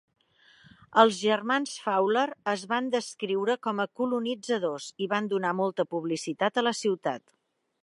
Els germans Fowler es van descriure com a "colonitzadors" i van donar molta publicitat a la ciutat.